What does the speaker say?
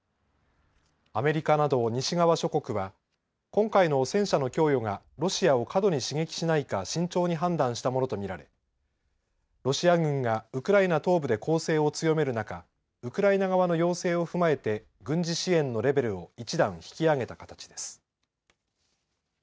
アメリカなど西側諸国は今回の戦車の供与がロシアを過度に刺激しないか慎重に判断したものと見られロシア軍がウクライナ東部で攻勢を強める中、ウクライナ側の要請を踏まえて軍事支援のレベルを一段引き上げた形です。